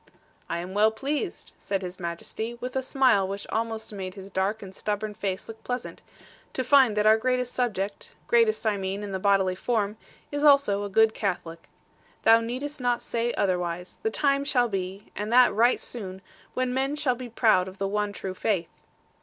'I am well pleased,' said His Majesty, with a smile which almost made his dark and stubborn face look pleasant, 'to find that our greatest subject, greatest I mean in the bodily form, is also a good Catholic. Thou needest not say otherwise. The time shall be, and that right soon, when men shall be proud of the one true faith.'